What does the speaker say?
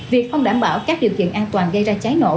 việc không đảm bảo các điều kiện an toàn gây ra cháy nổ